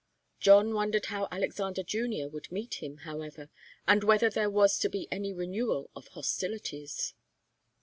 John wondered how Alexander Junior would meet him, however, and whether there was to be any renewal of hostilities.